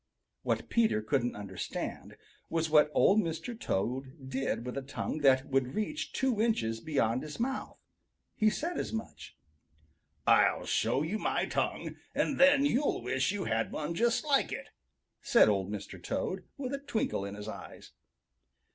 What Peter couldn't understand was what Old Mr. Toad did with a tongue that would reach two inches beyond his mouth. He said as much. "I'll show you my tongue, and then you'll wish you had one just like it," said Old Mr. Toad, with a twinkle in his eyes.